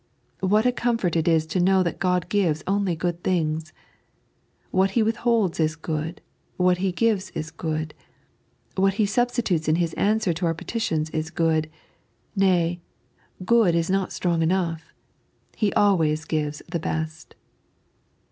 What a comfort it is to know that Qod gives only good things. What He withholds is good ; what He gives is good ; what He substitutes in His answer to our petitions is good — nay, good is not strong enough. He gives always the beet.